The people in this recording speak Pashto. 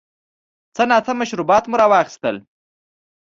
څه ناڅه مشروبات مو را واخیستل.